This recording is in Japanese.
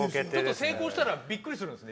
成功したらびっくりするよね。